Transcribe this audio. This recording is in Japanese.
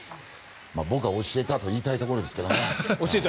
僕が教えたと言いたいところですけどね。